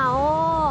mas pur mau